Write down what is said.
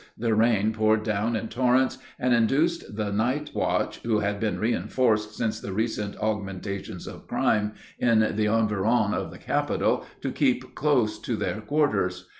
The rain poured down in torrents, and induced the night watch, who had been reinforced since the recent augmentations of crime in the environs of the capital, to keep close to their quarters.